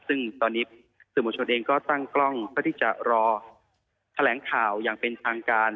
ซึ่งตอนนี้สื่อมวลชนเองก็ตั้งกล้องเพื่อที่จะรอแถลงข่าวอย่างเป็นทางการ